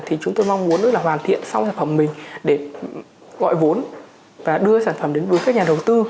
thì chúng tôi mong muốn là hoàn thiện xong sản phẩm mình để gọi vốn và đưa sản phẩm đến đối với các nhà đầu tư